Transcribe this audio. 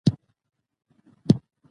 نمک د افغانستان د سیاسي جغرافیه برخه ده.